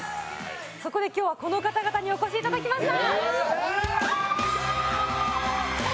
そこで今日は、この方々にお越しいただきました！